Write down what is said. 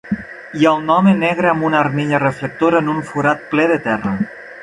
Hi ha un home negre amb una armilla reflectora en un forat ple de terra